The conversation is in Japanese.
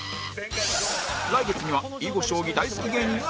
来月には囲碁将棋大好き芸人が公開